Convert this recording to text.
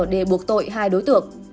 để buộc tội hai đối tượng